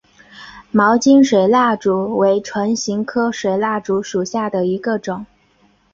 毛茎水蜡烛为唇形科水蜡烛属下的一个种。